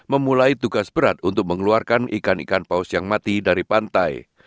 memulai tugas berat untuk mengeluarkan ikan ikan paus yang mati dari pantai